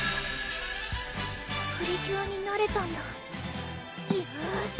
プリキュアになれたんだよし！